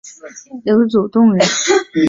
刘祖洞人。